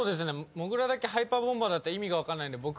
もぐらだけハイパーボンバーになった意味が分かんないんで僕。